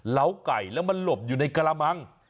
ไก่แล้วมันหลบอยู่ในกระมัง